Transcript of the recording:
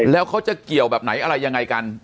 แล้วเขาจะเกี่ยวแบบไหนอะไรยังไงกัน